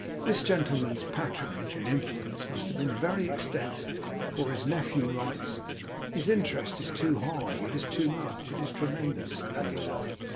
This gentleman's patronage and influence must have been very extensive, for his nephew writes, 'His interest is too high' 'It is too much' 'It is tremendous' and the like.